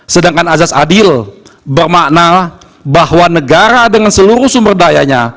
sedangkan azas adil bermakna bahwa negara dengan seluruh sumber dayanya